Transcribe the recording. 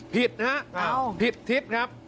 ผิดนะฮะผิดทิศครับ